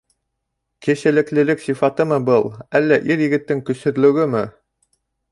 Кешелеклелек сифатымы был, әллә ир-егеттең көсһөҙлөгөмө?